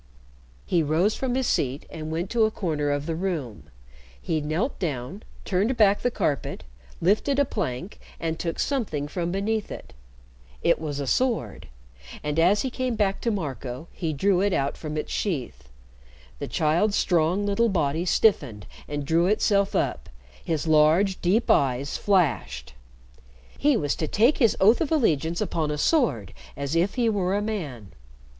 He rose from his seat and went to a corner of the room. He knelt down, turned back the carpet, lifted a plank, and took something from beneath it. It was a sword, and, as he came back to Marco, he drew it out from its sheath. The child's strong, little body stiffened and drew itself up, his large, deep eyes flashed. He was to take his oath of allegiance upon a sword as if he were a man.